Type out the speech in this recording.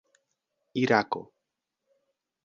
irako